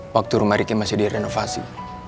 waktu rumah riki masih direnovasi